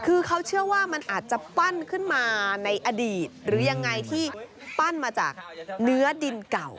คือเขาเชื่อว่ามันอาจจะปั้นขึ้นมาในอดีตหรือยังไงที่ปั้นมาจากเนื้อดินเก่า